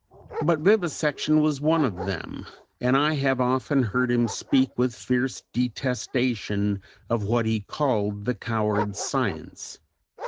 But vivisection was one of them, and I have often heard him speak with fierce detestation of what he called "the coward Science."